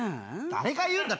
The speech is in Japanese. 誰が言うんだ？